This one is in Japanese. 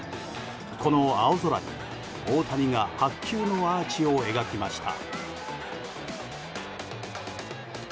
この青空に、大谷が白球のアーチを描きました。